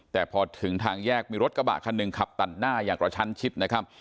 แต่พอถึงทางแยกมีรถกระบะคันหนึ่งขับตัดหน้าอย่างกระชั้นชิดนะครับ